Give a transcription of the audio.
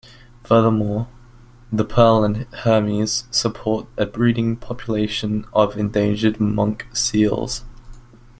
Furthermore, the Pearl and Hermes support a breeding population of endangered monk seals.